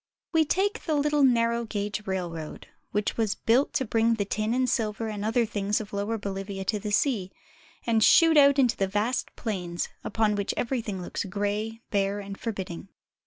We take the little narrow gauge railroad, which was built to bring the tin and silver and other things of Lower BoHvia to the sea, and shoot out into vast plains, upon which everything looks gray, bare, and forbidding.